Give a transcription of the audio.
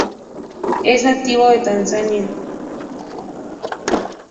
Es nativo de Tanzania.